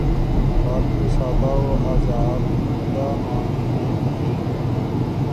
بات میں سادہ و آزادہ، معانی میں دقیق